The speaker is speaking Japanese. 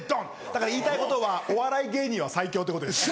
だから言いたいことはお笑い芸人は最強ってことです。